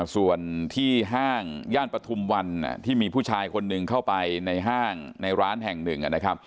ส่วนที่ห้างย่านปฐุมวันที่มีผู้ชายคนหนึ่งเข้าไปในห้างในร้านแห่งหนึ่งนะครับ